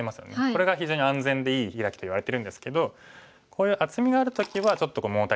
これが非常に安全でいいヒラキといわれてるんですけどこういう厚みがある時はちょっと物足りないんですね。